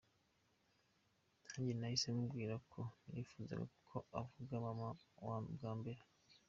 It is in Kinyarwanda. Nanjye nahise mubwira ko nifuzaga ko avuga ‘Mama bwa mbere’”.